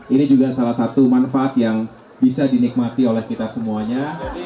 ini juga salah satu manfaat yang bisa dinikmati oleh kita semuanya